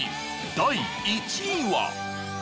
第１位は。